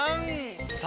３！